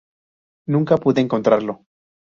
Nunca pude encontrarlo.